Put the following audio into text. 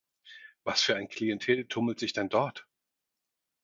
Was für ein Klientel tummelt sich denn dort?